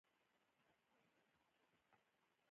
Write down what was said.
ایا زه باید پاتې شم؟